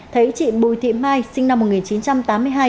thấy chị bùi thị mai sinh năm một nghìn chín trăm tám mươi hai